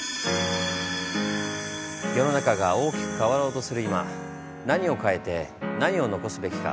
世の中が大きく変わろうとする今何を変えて何を残すべきか。